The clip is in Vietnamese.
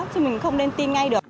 chứ mình không nên tin ngay được